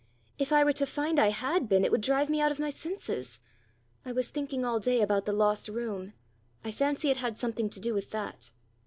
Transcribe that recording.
If I were to find I had been, it would drive me out of my senses! I was thinking all day about the lost room: I fancy it had something to do with that."